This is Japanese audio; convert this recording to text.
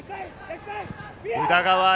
宇田川瑛